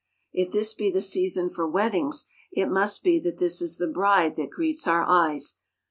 If this be the season for weddings, it must be that this is the bride that greets our eyes.